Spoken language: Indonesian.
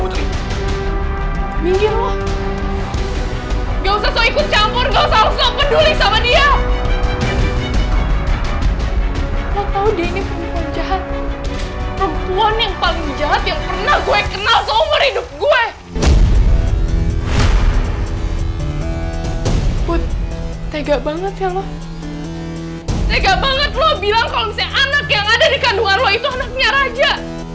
tega banget lo bilang kalau misalnya anak yang ada di kandungan lo itu anaknya raja